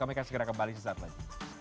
kami akan segera kembali sesaat lagi